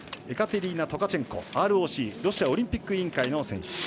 エカテリーナ・トカチェンコＲＯＣ＝ロシアオリンピック委員会の選手。